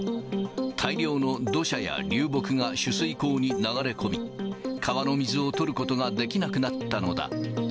大量の土砂や流木が取水口に流れ込み、川の水を取ることができなくなったのだ。